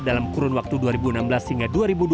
dalam kurun waktu dua ribu enam belas hingga dua ribu dua puluh